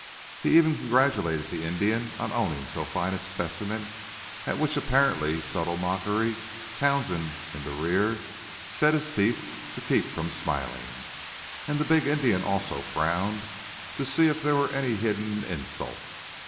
He even congratulated the Indian on owning so fine a specimen, at which apparently subtle mockery Townsend, in the rear, set his teeth to keep from smiling; and the big Indian also frowned, to see if there were any hidden insult.